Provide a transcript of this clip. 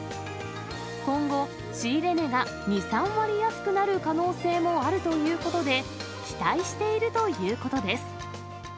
今後、仕入れ値が２、３割安くなる可能性もあるということで、期待しているということです。